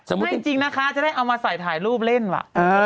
สมมุทรอบบไปเจอโทรมาเถอะ